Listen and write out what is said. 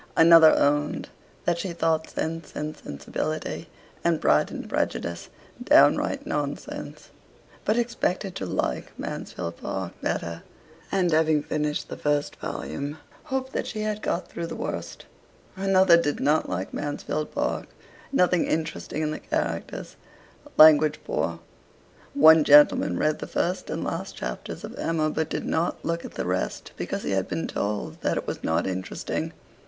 Another owned that she thought 'Sense and Sensibility' and 'Pride and Prejudice' downright nonsense; but expected to like 'Mansfield Park' better, and having finished the first volume, hoped that she had got through the worst. Another did not like 'Mansfield Park.' Nothing interesting in the characters. Language poor. One gentleman read the first and last chapters of 'Emma,' but did not look at the rest because he had been told that it was not interesting.